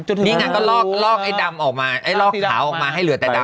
นี่ไงก็ลอกลอกไอ้ดำออกมาไอ้ลอกขาวออกมาให้เหลือแต่ดำ